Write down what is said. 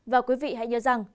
và quý vị hãy nhớ rằng